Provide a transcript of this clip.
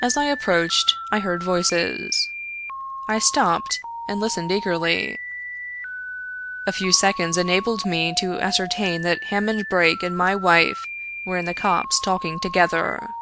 As I approached I heard voices. I stopped and listened eagerly. A few seconds enabled me to ascertain that Hammond Brake and my wife were in the copse talking together.